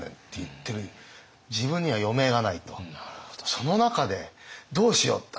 その中でどうしようって。